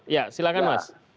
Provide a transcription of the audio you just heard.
ya silakan mas